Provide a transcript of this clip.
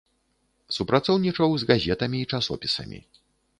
Супрацоўнічаў з газетамі і часопісамі.